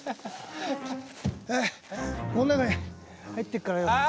ああこの中に入ってるからよ。